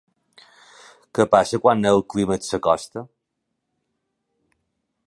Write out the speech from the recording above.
Què passa quan el clímax s'acosta?